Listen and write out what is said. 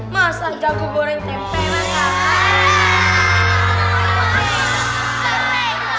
masa gak gue goreng tempera kak